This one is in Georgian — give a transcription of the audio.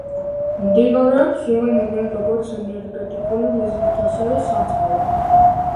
მდინარეებს იყენებენ როგორც ენერგეტიკული მიზნით, ასევე სარწყავად.